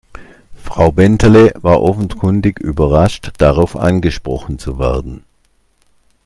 Frau Bentele war offenkundig überrascht, darauf angesprochen zu werden.